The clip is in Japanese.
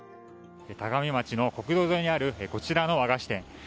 田上町の国道沿いにあるこちらの和菓子店。